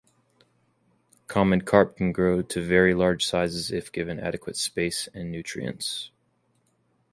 Common carp can grow to very large sizes if given adequate space and nutrients.